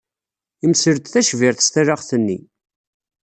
Yemsel-d tacbirt s talaɣt-nni.